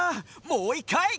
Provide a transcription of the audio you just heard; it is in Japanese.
もう１かい！